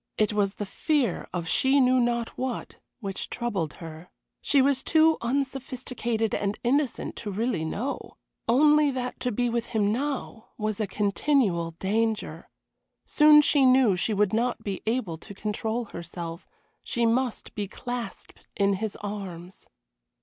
It was the fear of she knew not what which troubled her. She was too unsophisticated and innocent to really know only that to be with him now was a continual danger; soon she knew she would not be able to control herself, she must be clasped in his arms.